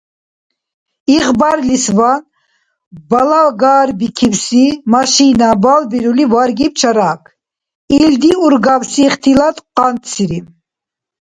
Игъбарлисван, балагарбикибси машина балбирули варгиб Чарак. Илди-ургабси ихтилат къантӏсири.